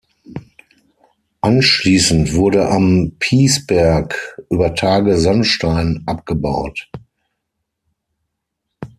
Anschließend wurde am Piesberg über Tage Sandstein abgebaut.